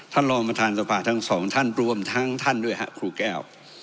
รองประธานสภาทั้งสองท่านรวมทั้งท่านด้วยฮะครูแก้ว